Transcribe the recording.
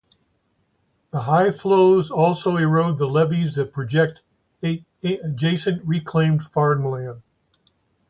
The high flows also erode the levees that protect adjacent reclaimed farmland.